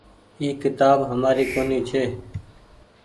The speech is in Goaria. اي ڪيتآب همآري ڪونيٚ ڇي